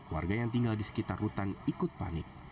warga yang tinggal di sekitar rutan ikut panik